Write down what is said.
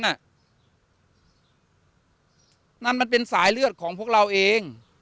นั่นมันเป็นสายเลือดของพวกเราเอง